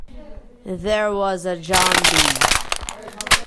There was a John B.